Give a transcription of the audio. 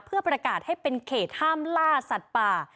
เพื่อประกาศให้เป็นเขตห้ามล่าสัตว์ป่า